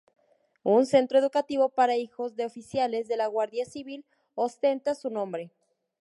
Un Centro Educativo para hijos de Oficiales de la Guardia Civil ostenta su nombre.